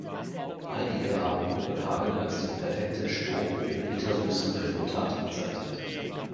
Einige haben Kopenhagen als den perfekten Sturm mit bittersüßem Resultat bezeichnet.